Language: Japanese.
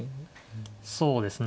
そうですね。